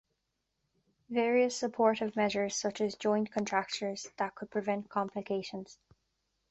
Various supportive measures such as joint contractures that could prevent complications.